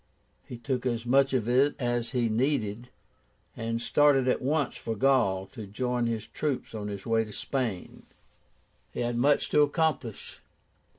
He took as much of it as he needed, and started at once for Gaul to join his troops on his way to Spain. He had much to accomplish.